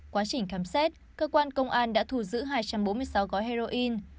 quá trình khám xét cơ quan công an đã thù giữ hai trăm bốn mươi sáu gói heroin